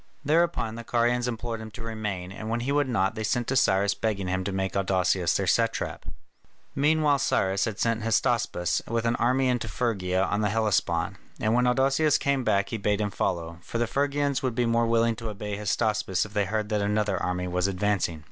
Thereupon the Carians implored him to remain, and when he would not, they sent to Cyrus begging him to make Adousius their satrap. Meanwhile Cyrus had sent Hystaspas with an army into Phrygia on the Hellespont, and when Adousius came back he bade him follow, for the Phrygians would be more willing to obey Hystaspas if they heard that another army was advancing.